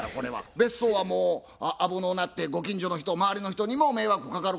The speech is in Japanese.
別荘はもう危のうなってご近所の人周りの人にも迷惑かかるかも分からん。